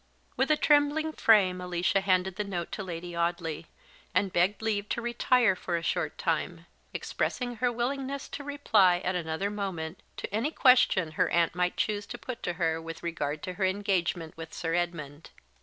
With a trembling frame Alicia handed the note to Lady Audley, and begged leave to retire for a short time; expressing her willingness to reply at another moment to any question her aunt might choose to put to her with regard to her engagement with Sir Edmund.